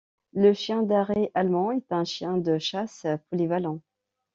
Le chien d'arrêt allemand est un chien de chasse polyvalent.